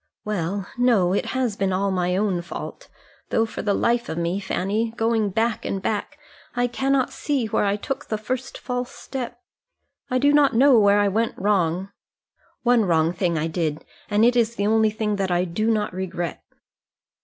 "Well, no, it has been all my own fault; though for the life of me, Fanny, going back and back, I cannot see where I took the first false step. I do not know where I went wrong. One wrong thing I did, and it is the only thing that I do not regret."